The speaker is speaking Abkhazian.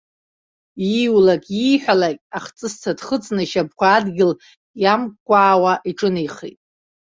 Ииулак-ииҳәалак ахҵысҭа дхыҵны, ишьапқәа адгьыл иамкәкәаауа иҿынеихеит.